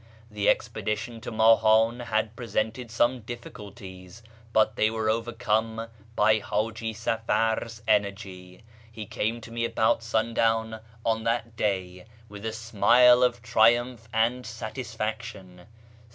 The expedition to Mahan had presented some difficulties, but they were overcome by Haji Safar's energy. He came to me about sundown on that day with a smile of triumph and satisfaction.